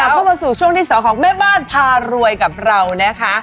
กลับเข้ามาสู่ช่วงที่สาวของแม่ป้านผ่ารวยกับเรานะคะ